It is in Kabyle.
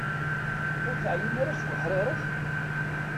Ur teɛyim ara seg uḥṛiṛet?